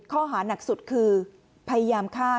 ข้อหานักสุดคือพยายามฆ่า